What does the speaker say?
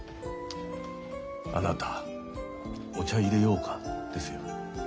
「あなたお茶いれようか」ですよ。